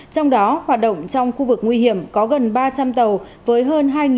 trong đó hoạt động trong khu vực nguy hiểm có gần ba trăm linh tàu với hơn hai hai trăm linh